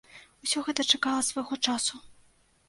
Усё гэта чакала свайго часу.